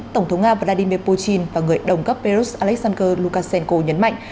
tổng thống nga vladimir putin và người đồng cấp perut alexander lukashenko nhấn mạnh